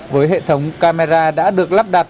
với hệ thống camera đã được lắp đặt